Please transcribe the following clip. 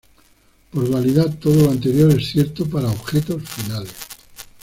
Por dualidad, todo lo anterior es cierto para objetos finales.